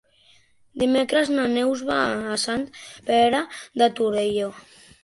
Dimecres na Neus va a Sant Pere de Torelló.